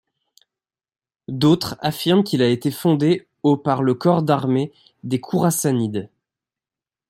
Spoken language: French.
D'autres affirment qu'il a été fondé au par le corps d’armée des Khourassanides.